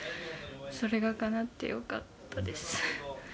それがかなってよかったです。